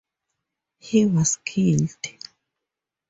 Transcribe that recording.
Hill was killed.